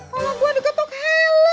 pala gue diketuk helm